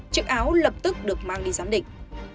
chiếc áo lập tức được mang đi giám định